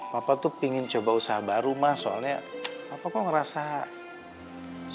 bapak tuh pingin coba usaha baru man soalnya bapak kok ngerasa susah ya cari kerja aja